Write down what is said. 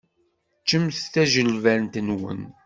Ččemt tajilbant-nwent.